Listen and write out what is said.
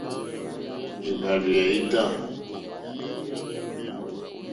Èhvàrzù ya ita.